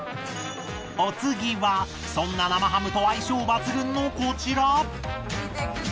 お次はそんな生ハムと相性抜群のこちら。